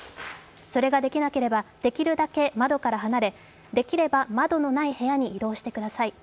それができなければできるだけ窓から離れできれば窓のない部屋に移動してください。